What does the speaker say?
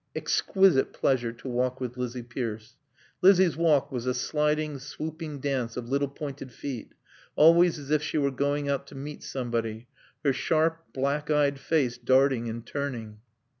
Exquisite pleasure to walk with Lizzie Pierce. Lizzie's walk was a sliding, swooping dance of little pointed feet, always as if she were going out to meet somebody, her sharp, black eyed face darting and turning.